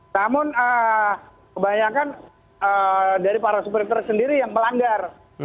namun kebanyakan dari para supir truk sendiri yang melanggar